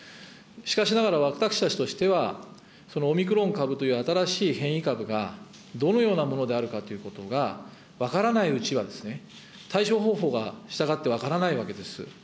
しかしながら、私たちとしては、そのオミクロン株という新しい変異株が、どのようなものであるかということが分からないうちは、対処方法が、したがって分からないわけです。